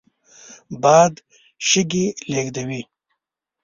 باد شګې لېږدوي